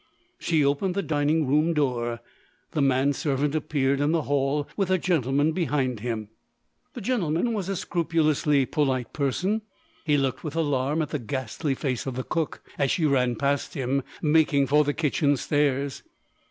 She opened the dining room door. The man servant appeared in the hall, with a gentleman behind him. The gentleman was a scrupulously polite person. He looked with alarm at the ghastly face of the cook as she ran past him, making for the kitchen stairs.